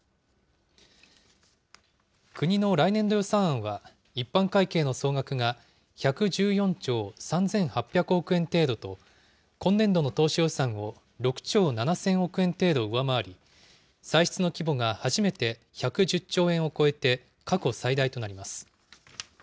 国の来年度予算案は、一般会計の総額が１１４兆３８００億円程度と、今年度の当初予算を６兆７０００億円程度上回り、歳出の規模が初めて１１０兆円を超えて、過去最大となります。